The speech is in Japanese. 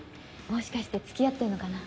もしかして付き合ってんのかな？